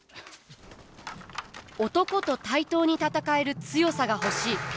男と対等に戦える強さが欲しい。